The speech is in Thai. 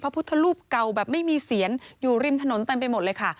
พุทธรูปเก่าแบบไม่มีเสียนอยู่ริมถนนเต็มไปหมดเลยค่ะ